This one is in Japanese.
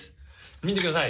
見てください。